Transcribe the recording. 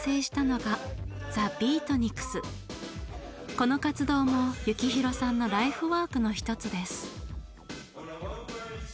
この活動も幸宏さんのライフワークの一つです。